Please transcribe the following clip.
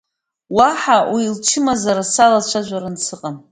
Уаҳа уи лчымазара салацәажәараны сыҟам.